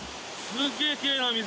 すげぇきれいな水！